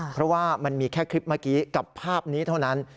เพราะว่ามันมีแค่คลิปเมื่อกี้กับภาพนี้เท่านั้น